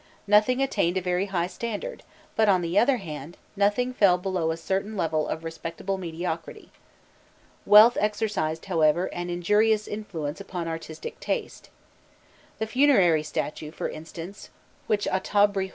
Nothing attained a very high standard, but, on the other hand, nothing fell below a certain level of respectable mediocrity. Wealth exercised, however, an injurious influence upon artistic taste. The funerary statue, for instance, which Aûtûabrî I.